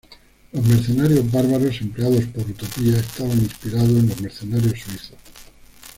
Los mercenarios bárbaros empleados por Utopía estaban inspirados en los mercenarios suizos.